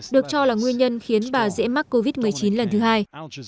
được cho là nguyên nhân khiến bà dễ mắc covid một mươi chín lần thứ hai